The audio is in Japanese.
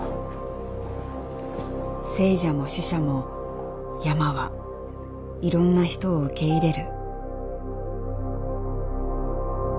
生者も死者も山はいろんな人を受け入れる。